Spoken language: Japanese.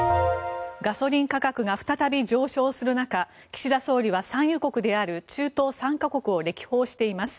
ガソリン価格が再び上昇する中岸田総理は産油国である中東３か国を歴訪しています。